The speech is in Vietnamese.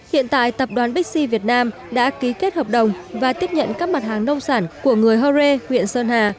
hiện tại tập đoàn bixi việt nam đã ký kết hợp đồng và tiếp nhận các mặt hàng nông sản của người hơ rê huyện sơn hà